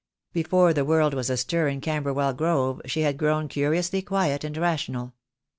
Before the world was astir in Camberwell Grove she had grown curiously quiet and rational.